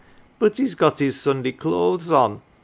" But he's got his Sunday clothes on